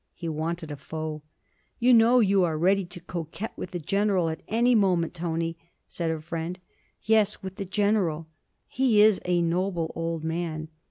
He wanted a foe. 'You know you are ready to coquette with the General at any moment, Tony,' said her friend. 'Yes, with the General!' 'He is a noble old man.'